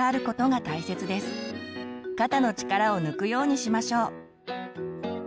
肩の力を抜くようにしましょう。